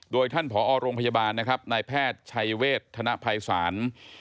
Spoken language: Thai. โดยท่านผอโรงพยาบาลนะครับนายแพทย์ชัยเวทธนภัยศาล